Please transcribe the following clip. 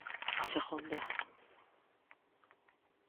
A segunda.